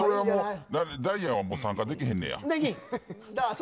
ダイアンさんはできへんねや？